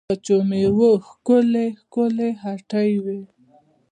وچو مېوو ښکلې ښکلې هټۍ وې.